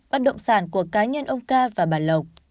bất động sản của cá nhân ông ca và bà lộc